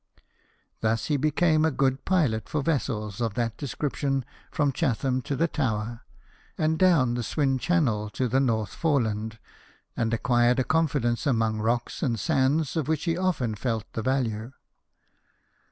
Thus he became a good pilot for vessels of that description from Chatham to the Tower, and down the Swin Channel to the North Foreland, and acquired a confidence among rocks and sands of which he often felt the value.